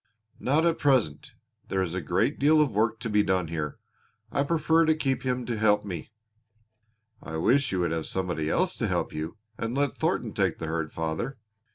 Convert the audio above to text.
"Not at present. There is a great deal of work to be done here. I prefer to keep him to help me." "I wish you would have somebody else to help you and let Thornton take the herd, father."